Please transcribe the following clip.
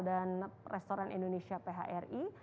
dan restoran indonesia phri